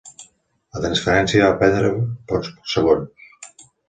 La transferència va prendre pocs segons.